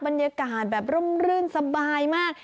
บรรยากาศแบบร่มรื่นสบายมาก